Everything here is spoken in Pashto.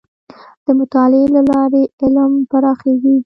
د مطالعې له لارې علم پراخېږي.